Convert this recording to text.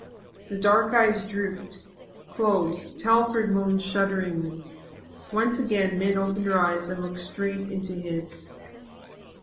The dark eyes drooped closed. Telford moaned shudderingly. Once again Min opened her eyes and looked straight into his.